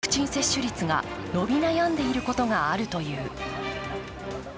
若い世代で、３回目のワクチン接種率が伸び悩んでいることがあるという。